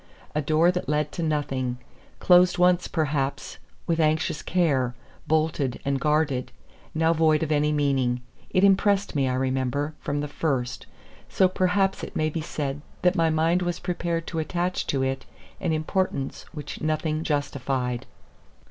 A door that led to nothing, closed once, perhaps, with anxious care, bolted and guarded, now void of any meaning. It impressed me, I remember, from the first; so perhaps it may be said that my mind was prepared to attach to it an importance which nothing justified.